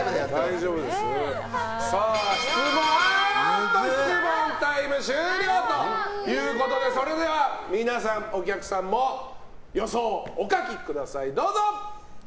では、質問タイム終了ということでそれでは皆さんお客さんも予想をお書きください、どうぞ。